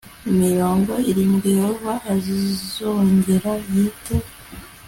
mirongo irindwi yehova azongera yite